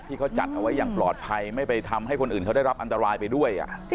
ที่เขาจัดเอาไว้อย่างปลอดภัยไม่ไปทำให้คนอื่นเขาได้รับอันตรายไปด้วย